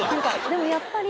でもやっぱり。